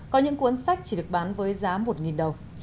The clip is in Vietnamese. có những cuốn sách chỉ được bán với giá một đồng